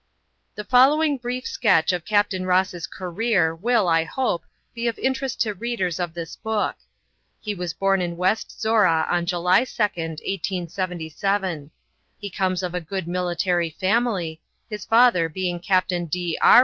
The following brief sketch of Capt. Ross's career will, I hope, be of interest to readers of this book: He was born in West Zorra on July 2nd, 1877. He comes of a good military family, his father being Capt. D. R.